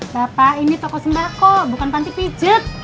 bapak ini toko sembako bukan pantik pijet